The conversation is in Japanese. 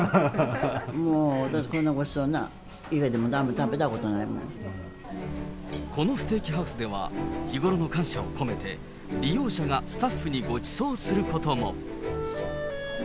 もう、私、こんなごちそうな、家このステーキハウスでは、日頃の感謝を込めて、利用者がスタッフにごちそうすることも。